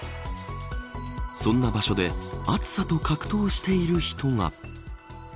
そんな場所で暑さと格闘している人が。